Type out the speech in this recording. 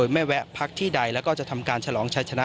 แวะพักที่ใดแล้วก็จะทำการฉลองชัยชนะ